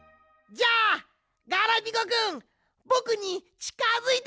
じゃあガラピコくんぼくにちかづいてきて！